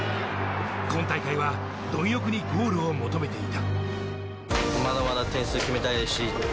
今大会は貪欲にゴールを求めていた。